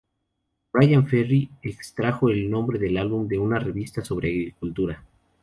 Bryan Ferry extrajo el nombre del álbum de una revista sobre agricultura.